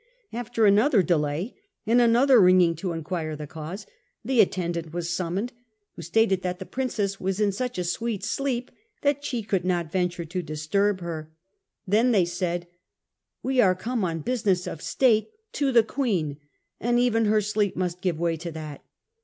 After another delay, and another ringing to inquire the cause, the attendant was summoned, who stated that the Prin cess was in such a sweet sleep that she could not ven ture to disturb her. Then they said, " We are come on business of state to the Queen, and even her sleep must give way to that."